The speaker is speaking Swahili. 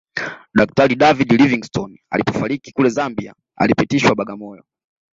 Daktari David Livingstone alipofariki kule Zambia alipitishwa Bagamoyo